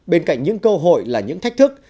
bên cạnh những cơ hội là những thách thức